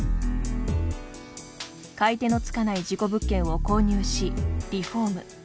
買い手のつかない事故物件を購入し、リフォーム。